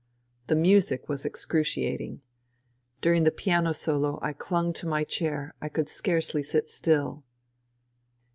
The music was excruciating. During the piano solo I clung to my chair : I could scarcely sit still.